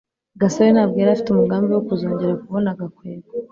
gasore ntabwo yari afite umugambi wo kuzongera kubona gakwego